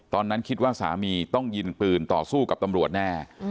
ตอนนั้นคิดว่าสามีต้องยิงปืนต่อสู้กับตำรวจแน่